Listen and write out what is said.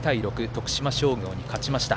徳島商業に勝ちました。